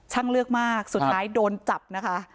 เลือกมากสุดท้ายโดนจับนะคะ